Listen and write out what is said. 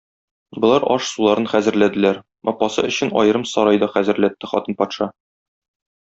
Болар аш-суларын хәзерләделәр, апасы өчен аерым сарай да хәзерләтте хатын патша.